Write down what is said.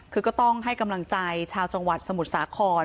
คือก็ต้องให้กำลังใจชาวจังหวัดสมุทรสาคร